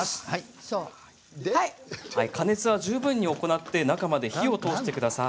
加熱は十分に行って仲間で火を通してください。